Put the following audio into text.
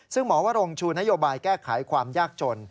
ซึ่งหมอวรงชูนโยบายแก้ไขความยากจน